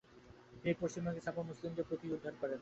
তিনি পশ্চিমবঙ্গে ছাপা মুসলমানি পুঁথি গুলো উদ্ধার করেন।